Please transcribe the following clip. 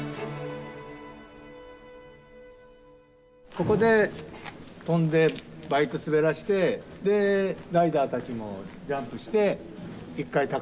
ここで跳んでバイク滑らしてでライダーたちもジャンプして一回高い所に上がる。